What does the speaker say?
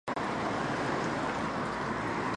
麻盖菌属与多孔菌属亦不同。